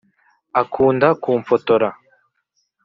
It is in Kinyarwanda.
akunda ku mfotora